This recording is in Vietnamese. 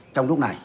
trong lúc này